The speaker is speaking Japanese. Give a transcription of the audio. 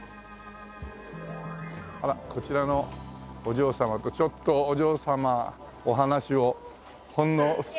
あらこちらのお嬢様とちょっとお嬢様お話しをほんの。